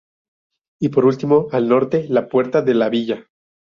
Y, por último, al norte, la Puerta de la Villa.